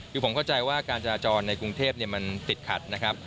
คือผมเข้าใจว่าการจราจรในกรุงเทพมันติดขัดนะครับ